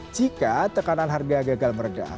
jika tekanan harga gagal meredah